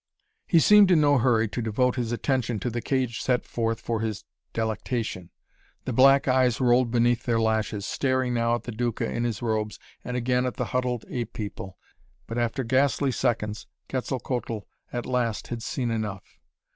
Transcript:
He seemed in no hurry to devote his attention to the cage set forth for his delectation. The black eyes rolled beneath their lashes, staring now at the Duca in his robes, and again at the huddled ape people. But after ghastly seconds, Quetzalcoatl at last had seen enough.